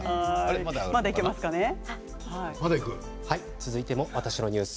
続いても「わたしのニュース」。